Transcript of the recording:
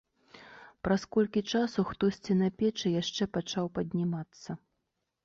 Праз колькі часу хтосьці на печы яшчэ пачаў паднімацца.